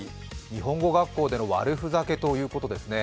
日本語学校での悪ふざけということですね。